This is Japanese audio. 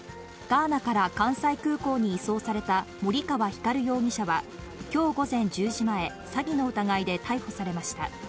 ガーナから関西空港に移送された森川光容疑者は、きょう午前１０時前、詐欺の疑いで逮捕されました。